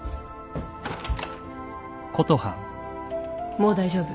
・もう大丈夫。